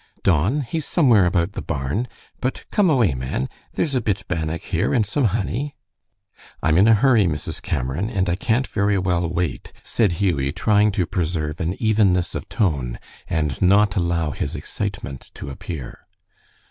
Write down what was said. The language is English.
"Don? He's somewhere about the barn. But come away, man, there's a bit bannock here, and some honey." "I'm in a hurry, Mrs. Cameron, and I can't very well wait," said Hughie, trying to preserve an evenness of tone and not allow his excitement to appear.